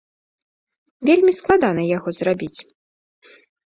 Вельмі складана яго зрабіць.